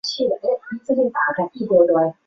吉隆红螯蛛为管巢蛛科红螯蛛属的动物。